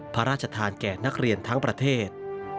พระราชทานแก่นักเรียนทั้งประเทศ